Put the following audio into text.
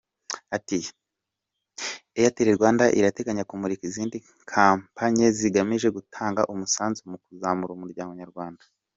Airtel Rwanda, irateganya kumurika izindi kampanye zigamije gutanga umusanzu mu kuzamura umuryango nyarwanda.